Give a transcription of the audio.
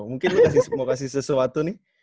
mungkin gue mau kasih sesuatu nih